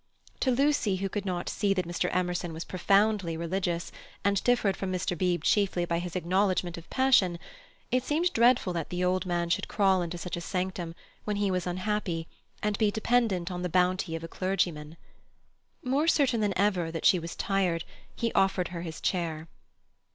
To Lucy who could not see that Mr. Emerson was profoundly religious, and differed from Mr. Beebe chiefly by his acknowledgment of passion—it seemed dreadful that the old man should crawl into such a sanctum, when he was unhappy, and be dependent on the bounty of a clergyman. More certain than ever that she was tired, he offered her his chair.